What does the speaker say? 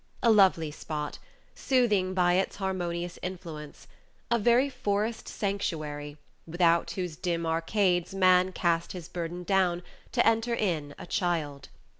A lovely spot, soothing by its harmonious influence; a very forest sanctuary, without whose dim arcades man cast his burden down, to enter in a child.